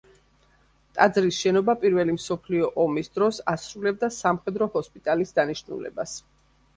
ტაძრის შენობა პირველი მსოფლიო ომის დროს ასრულებდა სამხედრო ჰოსპიტალის დანიშნულებას.